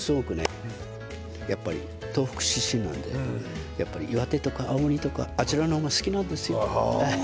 東北出身なんで岩手とか青森とかあちらの方が好きなんですよ。